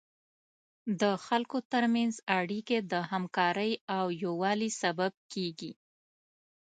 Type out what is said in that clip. د خلکو تر منځ اړیکې د همکارۍ او یووالي سبب کیږي.